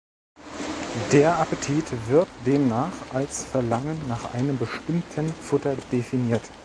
Der Appetit wird demnach als Verlangen nach einem bestimmten Futter definiert.